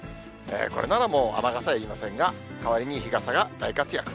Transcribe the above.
これならもう、雨傘いりませんが、代わりに日傘が大活躍。